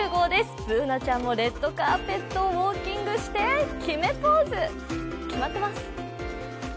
Ｂｏｏｎａちゃんもレッドカーペットをウォーキングして決めポーズ、決まってます。